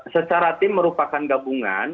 secara tim merupakan gabungan